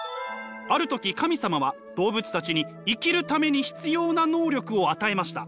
ある時神様は動物たちに生きるために必要な能力を与えました。